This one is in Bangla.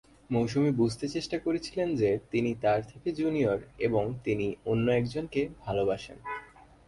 মৌসুমী বুঝতে চেষ্টা করেছিলেন যে তিনি তার থেকে জুনিয়র এবং তিনি অন্য একজনকে ভালবাসেন।